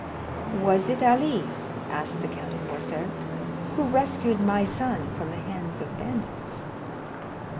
"Was it Ali," asked the Count of Morcerf, "who rescued my son from the hands of bandits?"